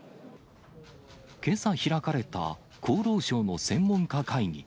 けさ開かれた厚労省の専門家会議。